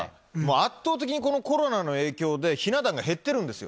圧倒的にこのコロナの影響で、ひな壇が減ってるんですよ。